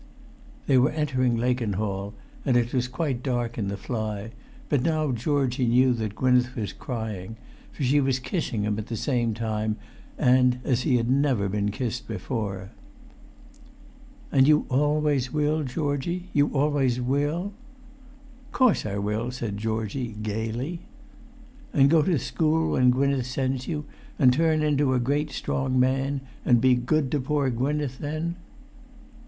They were entering Lakenhall, and it was quite dark in the fly; but now Georgie knew that Gwynneth was crying, for she was kissing him at the same time, and as he never had been kissed before. "And you always will, Georgie—you always will?" "Course I will," said Georgie, gaily. [Pg 406]"And go to school when Gwynneth sends you, and turn into a great strong man, and be good to poor Gwynneth then?"